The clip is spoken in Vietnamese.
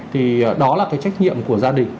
thì đó là cái trách nhiệm của gia đình